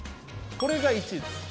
これが１位です